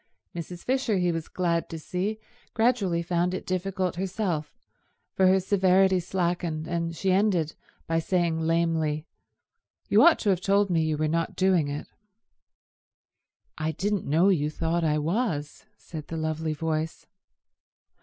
Mrs. Fisher, he was glad to see, gradually found it difficult herself, for her severity slackened, and she ended by saying lamely, "You ought to have told me you were not doing it." "I didn't know you thought I was," said the lovely voice.